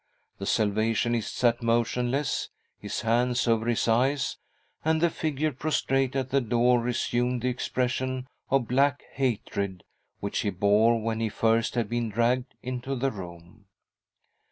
The Salvationist sat motionless, his hands over his eyes, and the figure prostrate at the door resumed the expression of black hatred which he bore when first he had been dragged into the room.